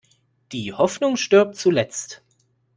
Die Hoffnung stirbt zuletzt.